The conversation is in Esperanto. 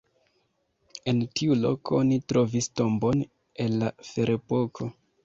En tiu loko oni trovis tombon el la ferepoko.